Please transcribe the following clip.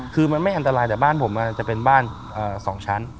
คือมันไม่อันตรายแต่บ้านผมจะเป็นบ้าน๒ชั้น